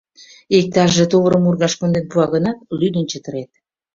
Иктаже тувырым ургаш конден пуа гынат, лӱдын чытырет.